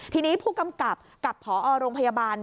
ทีนี้ผู้กำกับกับพอโรงพยาบาล